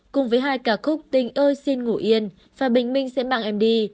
cùng với hai ca khúc tình ơi xin ngủ yên và bình minh sẽ mang em đi